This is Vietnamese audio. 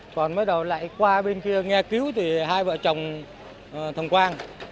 còn mới đầu lại qua bên kia nghe cứu thì hai vợ chồng thông quang